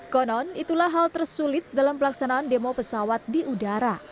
konon itulah hal tersulit dalam pelaksanaan demo pesawat di udara